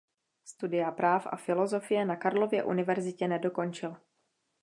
Studia práv a filozofie na Karlově univerzitě nedokončil.